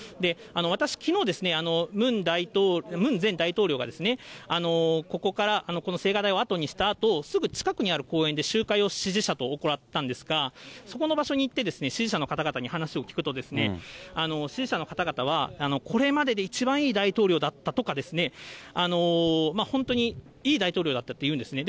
私、きのう、ムン前大統領がここから、この青瓦台をあとにしたあとすぐ近くにある公園で集会を支持者と行ったんですが、そこの場所に行って支持者の方々に話を聞くとですね、支持者の方々は、これまでで一番いい大統領だったとかですね、本当にいい大統領だったって言うんですね。